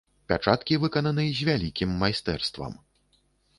Пячаткі выкананы з вялікім майстэрствам.